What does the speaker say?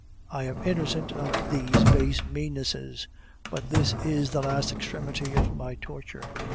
I am innocent of these base meannesses. But this is the last extremity of my torture.